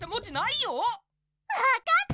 ⁉わかった！